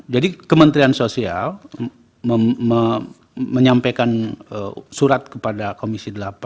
jadi kementerian sosial menyampaikan surat kepada komisi delapan